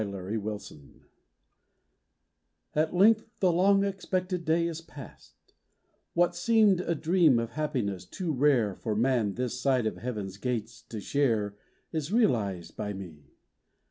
XXI HONEYMOON AT length the long expected day is past; What seemed a dream of happiness too rare For man this side of Heaven's gates to share Is realized by me.